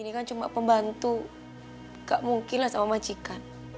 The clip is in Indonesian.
ini kan cuma pembantu gak mungkin lah sama majikan